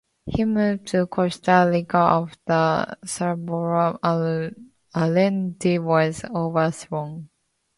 He moved to Costa Rica after Salvador Allende was overthrown.